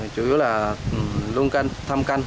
chủ yếu là lung canh thăm canh